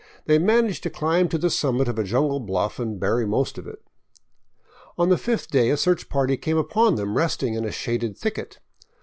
They managed to cHmb to the summit of a jungle bluff and bury most of it. On the fifth day a search party came upon them resting in a shaded thicket.